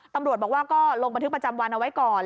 ตำรวจบอกว่าก็ลงบันทึกประจำวันเอาไว้ก่อน